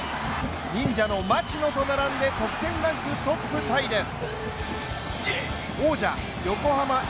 忍者の町野と並んで得点ランクトップタイです。